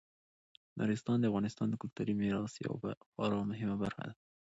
نورستان د افغانستان د کلتوري میراث یوه خورا مهمه برخه ده.